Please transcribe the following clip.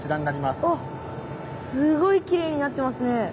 あっすごいきれいになってますね。